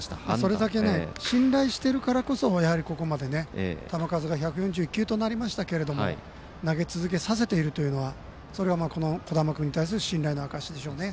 それだけ信頼しているからこそここまで球数が１４１球となりましたけども投げ続けさせているというのは小玉君に対する信頼の証しでしょうね。